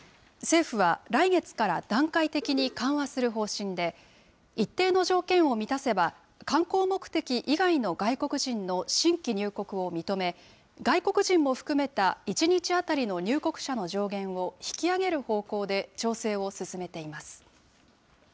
政府は来月から段階的に緩和する方針で、一定の条件を満たせば、観光目的以外の外国人の新規入国を認め、外国人も含めた一日当たりの入国者の上限を引き上げる方向で調整を進めています。